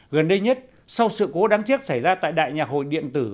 gần đây nhất sau sự cố đáng tiếc xảy ra tại đại nhạc hội điện tử